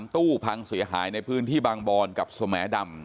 ตู้พังเสียหายในพื้นที่บางบอนกับสมดำ